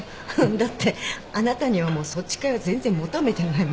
だってあなたにはもうそっち系は全然求めてない。